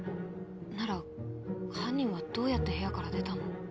なら犯人はどうやって部屋から出たの？